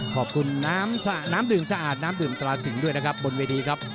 ขอบคุณน้ำดื่มสะอาดน้ำดื่มตราสิงห์ด้วยนะครับบนเวทีครับ